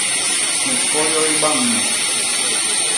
U koyoy bañ me.